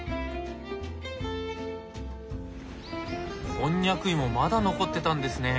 コンニャク芋まだ残ってたんですね。